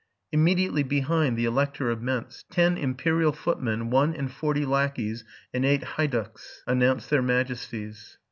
Immediately behind the Elector of Mentz, ten imperial foot men, one and forty lackeys, and eight heyducks announced their majesties.